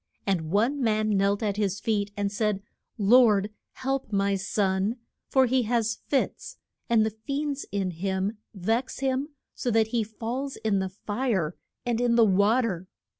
And one man knelt at his feet and said, Lord, help my son, for he has fits, and the fiends in him vex him so that he falls in the fire and in the wa ter.